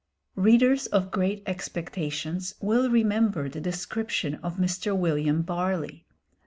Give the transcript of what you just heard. Readers of 'Great Expectations' will remember the description of Mr. William Barley.